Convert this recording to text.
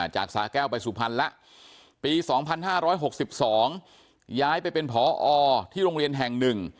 จากสาแก้วไปสุพรรณแล้วปี๒๕๖๒ย้ายไปเป็นพอที่โรงเรียนแห่ง๑